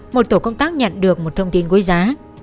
một tổ công tác nhận được một thông tin quý giá